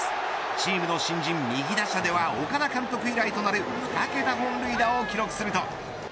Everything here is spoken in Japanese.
チームの新人右打者では岡田監督以来となる２桁本塁打を記録すると。